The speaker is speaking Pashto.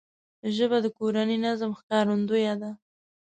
ژبه د کورني نظم ښکارندوی ده